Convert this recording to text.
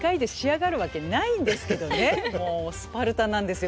もうスパルタなんですよ